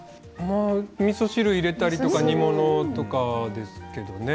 みそ汁に入れたりとか煮物とかですけどね。